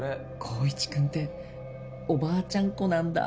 浩一くんっておばあちゃん子なんだ。